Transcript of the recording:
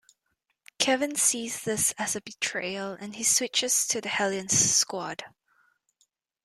Kevin sees this as a betrayal, and he switches to the Hellions squad.